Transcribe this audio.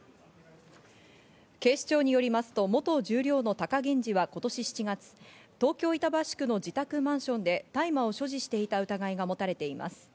警視庁によりますと元十両の貴源治は今年７月、東京・板橋区の自宅マンションで大麻を所持していた疑いがもたれています。